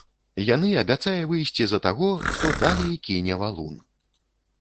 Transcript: Яны абяцае выйсці за таго, хто далей кіне валун.